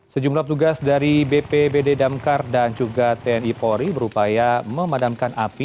sejumlah tugas dari bp bd damkar dan juga tni polri berupaya memadamkan api